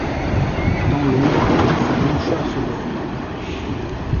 Dans l’ombre, sa blancheur se dore.